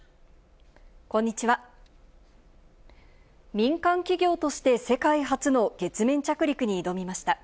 民間企業として世界初の月面着陸に挑みました。